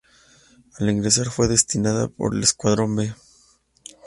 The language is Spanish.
Al ingresar fue destinado al "Escuadrón B".